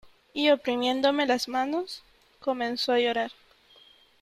y oprimiéndome las manos , comenzó a llorar .